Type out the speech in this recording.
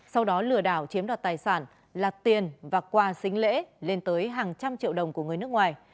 sau đó lừa đảo chiếm đoạt tài sản lặt tiền và quà xính lễ lên tới hàng trăm triệu đồng của người nước ngoài